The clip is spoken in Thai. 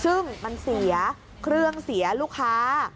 ซึ่งมันเสียเครื่องเสียลูกค้า